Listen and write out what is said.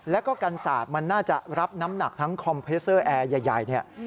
แล้วก็กันศาสตร์มันน่าจะรับน้ำหนักทั้งคอมเพสเตอร์แอร์ใหญ่เนี่ย